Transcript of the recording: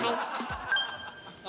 あ！